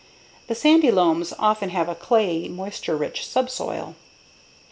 And sandy loams often have a clayey, moisture rich subsoil.